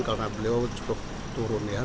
karena beliau cukup turun ya